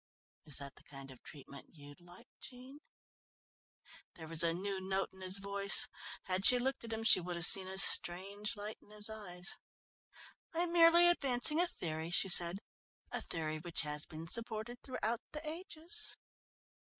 "Is that the kind of treatment you'd like, Jean?" There was a new note in his voice. Had she looked at him she would have seen a strange light in his eyes. "I'm merely advancing a theory," she said, "a theory which has been supported throughout the ages."